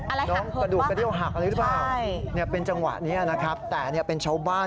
อะไรหักเผิดบ้างครับใช่นี่เป็นจังหวะนี้นะครับแต่เป็นชาวบ้าน